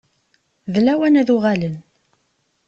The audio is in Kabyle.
D lawan ad uɣalen.